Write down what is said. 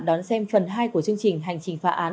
đón xem phần hai của chương trình hành trình phá án